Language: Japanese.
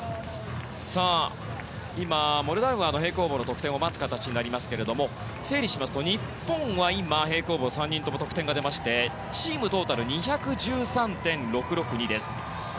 今、モルダウアーの平行棒の得点を待つ形ですが整理しますと日本は平行棒３人とも得点が出ましてチームトータル２１３．６６２です。